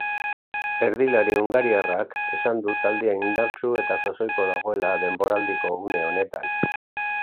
Erdilari hungariarrak esan du taldea indartsu eta sasoiko dagoela denboraldiko une honetan.